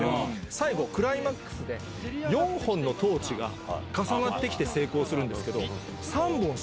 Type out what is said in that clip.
最後クライマックスで４本のトーチが重なって成功するんですけど。